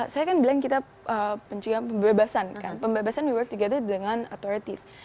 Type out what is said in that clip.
saya kan bilang kita pencari pembebasan kan pembebasan we work together dengan authorities